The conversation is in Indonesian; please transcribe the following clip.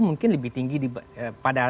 mungkin lebih tinggi pada